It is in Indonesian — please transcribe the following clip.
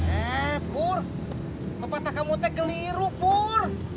eh pur pepatah kamu teh keliru pur